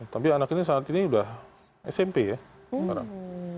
tapi anak ini saat ini sudah smp ya sekarang